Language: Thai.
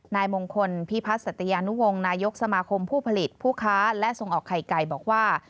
นายมงคลพิพัฒนสัตยานุวงศ์นายกสมาคมผู้ผลิตผู้ค้าและส่งออกไข่ไก่บอกว่า